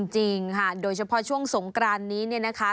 จริงค่ะโดยเฉพาะช่วงสงกรานนี้เนี่ยนะคะ